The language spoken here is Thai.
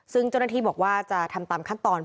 ซึ่งเจ้าหน้าที่บอกว่าจะทำตามขั้นตอน